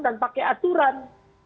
dan pakai aturan